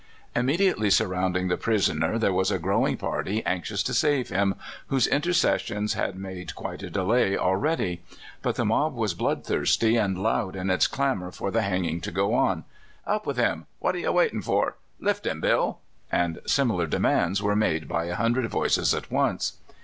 Immediately surrounding the prisoner there was a growing part}^ anxious to save him, whose inter cessions had made quite a delay already. But the mob was bloodthirsty, and loud in its clamor for the han(£in<£ to q:o on. " Up with him I '«' What are you waiting for? "" Lift him. Bill !" and similar demands were made by a hundred voices at once.